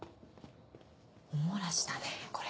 お漏らしだねこれ。